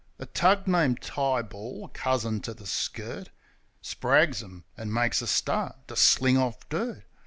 A tug named Tyball (cousin to the skirt) Sprags 'em an' makes a start to sling off dirt.